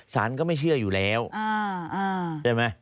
สารก็ไม่เชื่ออยู่แล้วใช่ไหม